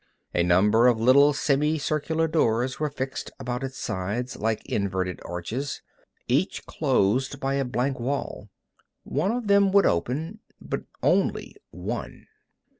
A number of little semicircular doors were fixed about its sides, like inverted arches, each closed by a blank wall. One of them would open, but only one.